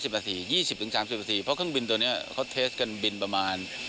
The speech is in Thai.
๓๐นาที๒๐ถึง๓๐นาทีเพราะเครื่องบินตัวนี้เขาเทสกันบินประมาณ